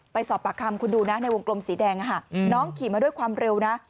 ไปสอบปากคำคุณดูนะในวงกลมสีแดงน้องขี่มาด้วยความเร็วนะ